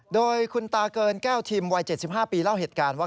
โดยคุณตาเกินแก้วทิมวัย๗๕ปีเล่าเหตุการณ์ว่า